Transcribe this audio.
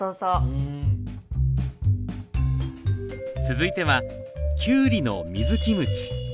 続いてはきゅうりの水キムチ。